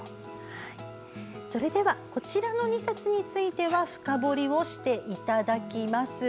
それではこちらの２冊については深掘りをしていただきます。